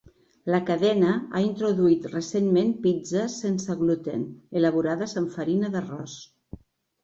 La cadena ha introduït recentment pizzes sense gluten, elaborades amb farina d'arròs.